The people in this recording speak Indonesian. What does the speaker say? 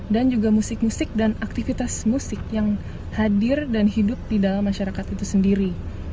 dan juga musik musik dan aktivitas musik yang hadir dan hidup di dalam masyarakat itu sendiri